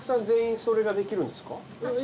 全員それができるんですか？